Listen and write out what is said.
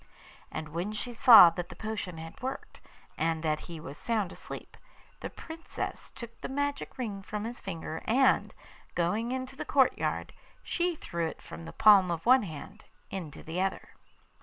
And when she saw that the potion had worked, and that he was sound asleep, the Princess took the magic ring from his finger, and, going into the courtyard, she threw it from the palm of one hand into the other.